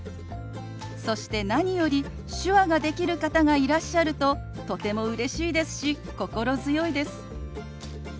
そして何より手話ができる方がいらっしゃるととてもうれしいですし心強いです。